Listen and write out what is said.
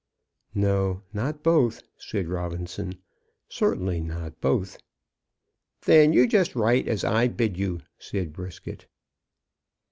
"No; not both," said Robinson. "Certainly not both." "Then you just write as I bid you," said Brisket.